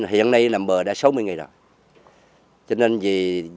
hiện nay nằm bờ đã sáu mươi ngày rồi